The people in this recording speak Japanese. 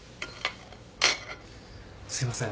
すいません